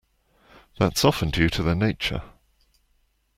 That's often due to their nature.